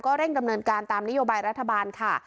เร่งดำเนินการตามนโยบายรัฐบาลค่ะ